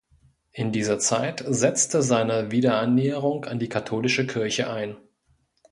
In dieser Zeit setzte seine Wiederannäherung an die katholische Kirche ein.